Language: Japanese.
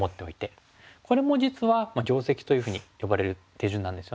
これも実は「定石」というふうに呼ばれる手順なんですよね。